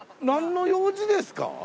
何の用事ですか？